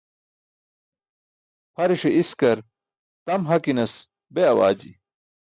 Pʰariṣe iskar tam hakinas be awaji.